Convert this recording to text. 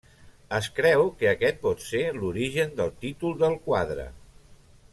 Es creu que aquest pot ser l'origen del títol del quadre.